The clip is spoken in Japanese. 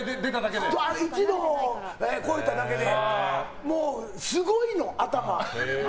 １度超えただけですごいの、頭。